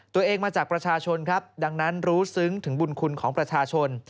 ตัวเองมาจากประชาชนครับดังนั้นรู้ซึ้งถึงบุญคุณของประชาชน